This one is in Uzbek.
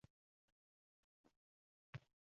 muzlab qolgan koʼzing yoshlari